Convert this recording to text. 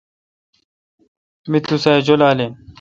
می تو سہ۔ اجولال این۔